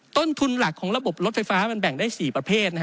ต้นทุนหลักของระบบรถไฟฟ้ามันแบ่งได้๔ประเภท